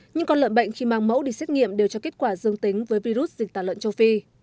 những con lợn bệnh khi mang mẫu đi xét nghiệm đều cho kết quả dương tính với virus dịch tả lợn châu phi